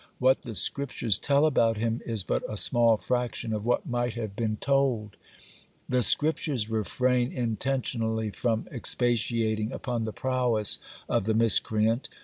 What the Scriptures tell about him is but a small fraction of what might have been told. The Scriptures refrain intentionally from expatiating upon the prowess of the miscreant.